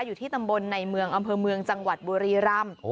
อยู่ที่ตำบลในเมืองอำเภอเมืองจังหวัดบุรีรำ